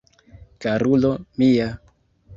Karulo mia!